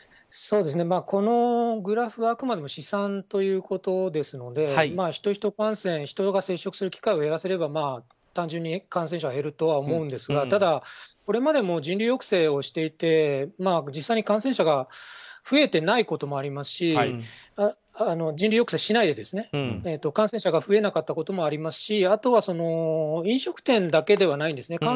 このグラフはあくまでも試算ということですのでヒト‐ヒト感染人が接触する機会を減らせれば単純に感染者は減るとは思うんですがただ、これまでも人流抑制をして実際に感染者が増えていないこともありますし人流抑制しないで感染が増えなかったこともありますしあと飲食店だけではないんですね。